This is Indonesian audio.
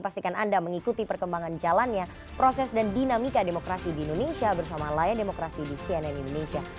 pastikan anda mengikuti perkembangan jalannya proses dan dinamika demokrasi di indonesia bersama layar demokrasi di cnn indonesia